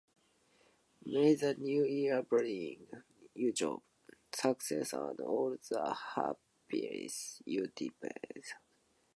May the new year bring you joy, success, and all the happiness you deserve.